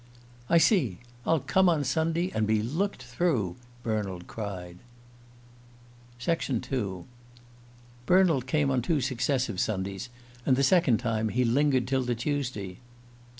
"I see. I'll come on Sunday and be looked through!" Bernald cried. II BERNALD came on two successive Sundays; and the second time he lingered till the Tuesday.